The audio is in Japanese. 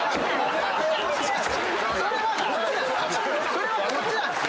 それはこっちなんです。